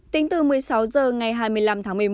tính từ một mươi sáu h ngày hai mươi năm tháng một mươi một